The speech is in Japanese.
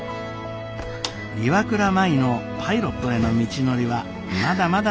岩倉舞のパイロットへの道のりはまだまだ続きます。